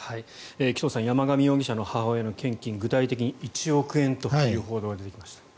紀藤さん山上容疑者の母親の献金具体的に１億円という報道が出てきました。